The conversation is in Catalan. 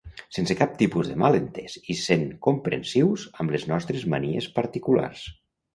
Sense cap tipus de malentés i sent comprensius amb les nostres manies particulars.